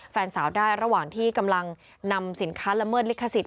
แฟนสาวได้ระหว่างที่กำลังนำสินค้าละเมิดลิขสิท